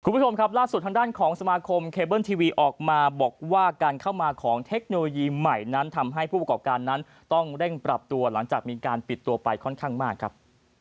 คุณผู้ชมครับล่าสุดทางด้านของสมาคมเคเบิ้ลทีวีออกมาบอกว่าการเข้ามาของเทคโนโลยีใหม่นั้นทำให้ผู้ประกอบการนั้นต้องเร่งปรับตัวหลังจากมีการปิดตัวไปค่อนข้างมากครับ